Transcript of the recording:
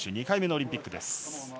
２回目のオリンピックです。